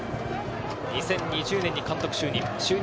２０２０年に監督就任。